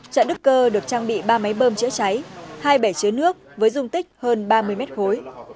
chợ đức cơ được trang bị ba máy bơm chữa cháy hai bể chứa nước với dung tích hơn ba mươi mét khối